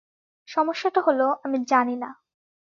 সমস্যাটা হল, আমি জানি না।